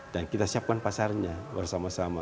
dan kita siapkan pasarnya bersama sama